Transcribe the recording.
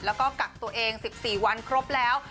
แล้วก็กักตัวเอง๑๔วันครบแล้ว